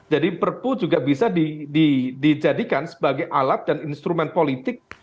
jadi perpu juga bisa dijadikan sebagai alat dan instrumen politik